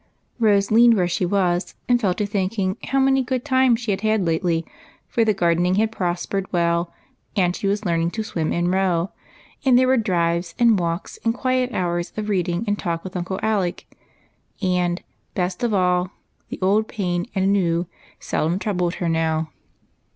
Rose leaned where she was, and fell to thinking how many good times she had had lately, for the gardening had prospered finely, and she was learning to swim and row, and there were drives and walks, PHEBE'S SECRET. 95 and quiet hours of reading and talk with Uncle Alec, and, best of all, the old pain and ennui seldom U^oubled her now.